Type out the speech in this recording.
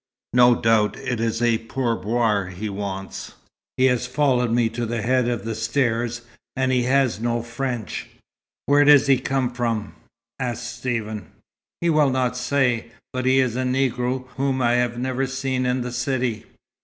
No doubt it is a pourboire he wants. He has followed me to the head of the stairs, and he has no French." "Where does he come from?" asked Stephen. "He will not say. But he is a Negro whom I have never seen in the city."